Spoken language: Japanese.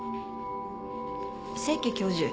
清家教授。